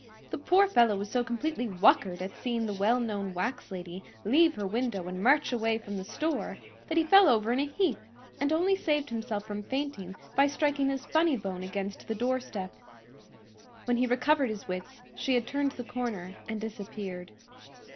The poor fellow was so completely whuckered at seeing the well known wax lady leave her window and march away from the store that he fell over in a heap and only saved himself from fainting by striking his funny bone against the doorstep. When he recovered his wits she had turned the corner and disappeared.